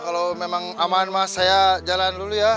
kalau memang aman mas saya jalan dulu ya